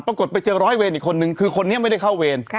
ปรากฏไปเจอร้อยเวรอีกคนนึงคือคนนี้ไม่ได้เข้าเวร